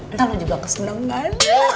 ntar lu juga kesenangan